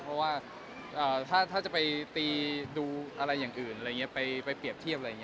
เพราะว่าถ้าจะไปตีดูอะไรอย่างอื่นอะไรอย่างนี้ไปเปรียบเทียบอะไรอย่างนี้